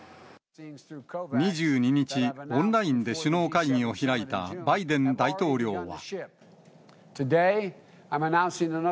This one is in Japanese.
２２日、オンラインで首脳会議を開いたバイデン大統領は。